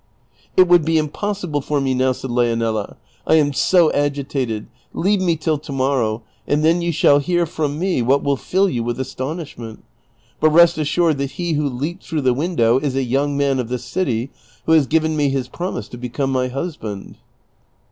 " It would be impossible forme now," said Leonela, "I am so agitated : leave me till to morrow, and then you shall hear from me what will fill j^ou with astonishment ; but rest assured that he who leajied through the window is a young man of this city, who has given me his promise to become my husbaud."